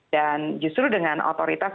dan justru dengan otoritas